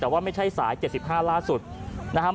แต่ว่าไม่ใช่สาย๗๕ล่าสุดนะครับ